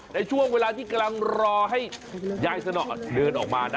ในช่วงเวลาที่กำลังรอให้ยายสนอเดินออกมานะ